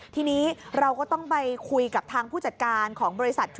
ทีนี้เราก็ต้องไปคุยกับทางผู้จัดการของบริษัท